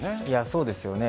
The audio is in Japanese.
そうですね。